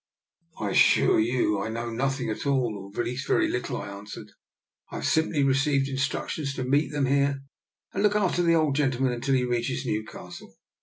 " I assure you I know nothing at all, or at least very little," I answered. I have simply received instructions to meet thep here, and to look after the old gentleman unjtil he reaches Newcastle.